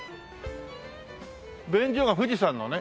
便所が富士山のね。